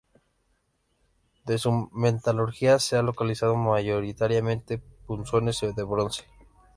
De su metalurgia se ha localizado mayoritariamente punzones de bronce.